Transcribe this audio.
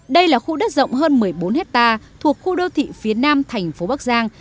đây là khu đất rộng hơn một mươi bốn hectare thuộc khu đô thị phía nam thành phố bắc giang